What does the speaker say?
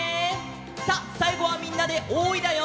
さあさいごはみんなで「おーい」だよ！